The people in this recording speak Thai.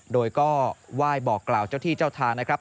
โดยก็ไหว้บอกกล่าวเจ้าที่เจ้าทางนะครับ